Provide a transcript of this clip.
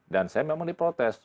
dan saya memang di protes